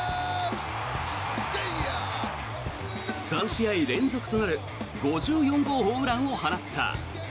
３試合連続となる５４号ホームランを放った。